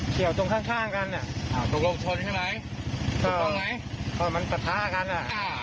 เฉียวตรงข้างกันอ่าตรงโลกชนใช่ไหมตรงไหนอ่ามันประทากันอ่า